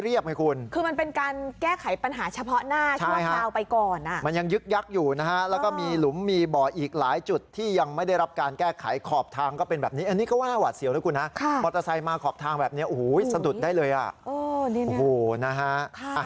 เสียวนะคุณฮะมอเตอร์ไซค์มาขอบทางแบบนี้สะดุดได้เลยอ่ะโอ้โฮนะฮะ